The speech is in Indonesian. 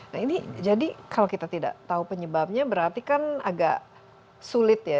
nah ini jadi kalau kita tidak tahu penyebabnya berarti kan agak sulit ya